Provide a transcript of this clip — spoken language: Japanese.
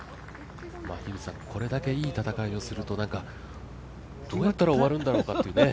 これだけいい戦いをするとどうやったら終わるんだろうかっていうね。